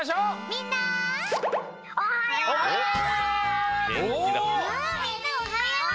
みんなおはよう！